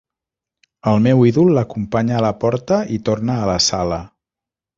El meu ídol l'acompanya a la porta i torna a la sala.